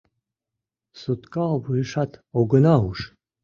Сутка вуешат огына уж.